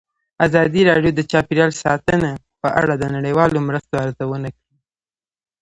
ازادي راډیو د چاپیریال ساتنه په اړه د نړیوالو مرستو ارزونه کړې.